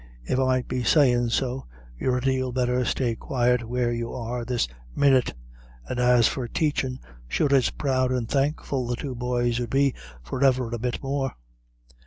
If I might be sayin' so, you'd a dale better stay quiet where you are this minyit. And as for taichin', sure it's proud and thankful the two boyos 'ud be for e'er a bit more.